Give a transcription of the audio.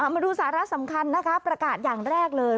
มาดูสาระสำคัญนะคะประกาศอย่างแรกเลย